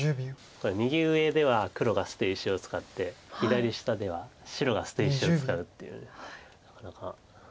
右上では黒が捨て石を使って左下では白が捨て石を使うっていうなかなか。